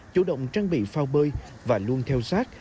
chủ động trang bị phao bơi và luôn theo sát